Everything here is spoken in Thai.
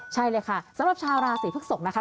ใช่เลยค่ะสำหรับชาวราศีพฤกษกนะคะ